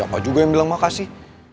ih siapa juga yang bilang makasih